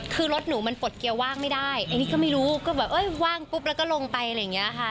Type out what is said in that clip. คือรถหนูมันปลดเกียร์ว่างไม่ได้อันนี้ก็ไม่รู้ก็แบบเอ้ยว่างปุ๊บแล้วก็ลงไปอะไรอย่างนี้ค่ะ